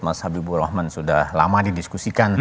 mas habibur rahman sudah lama didiskusikan